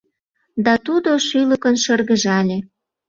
Да тудо шӱлыкын шыргыжале.